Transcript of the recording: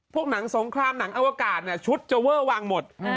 หนังสงครามหนังอวกาศชุดจะเวอร์วางหมด